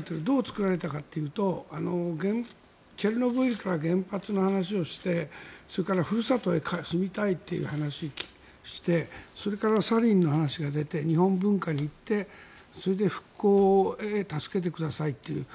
どう作られたかというとチェルノブイリから原発の話をしてそれから、ふるさとへ帰りたいという話をしてそれから、サリンの話が出て日本文化に行ってそれで復興を助けてくださいという。